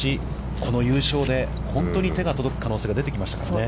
この優勝で本当に手が届く可能性が出てきましたね。